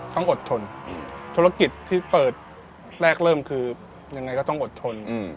ต้องอดทนธุรกิจที่เปิดแรกเริ่มคือยังไงก็ต้องอดทน